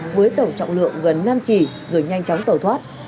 với tổng trọng lượng gần năm chỉ rồi nhanh chóng tẩu thoát